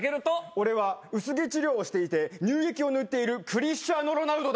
俺は薄毛治療をしていて乳液を塗っているクリスティアーノ・ロナウドだ。